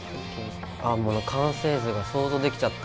ああもう完成図が想像できちゃった。